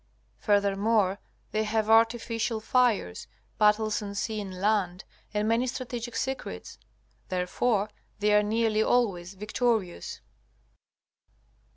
Furthermore, they have artificial fires, battles on sea and land, and many strategic secrets. Therefore they are nearly always victorious.